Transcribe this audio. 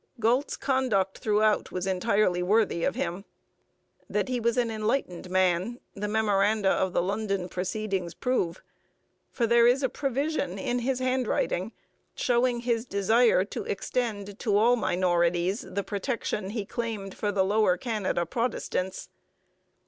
Galt's conduct throughout was entirely worthy of him. That he was an enlightened man the memoranda of the London proceedings prove, for there is a provision in his handwriting showing his desire to extend to all minorities the protection he claimed for the Lower Canada Protestants.